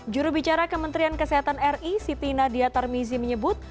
juru bicara kementerian kesehatan ri siti nadia tarmizi menyebut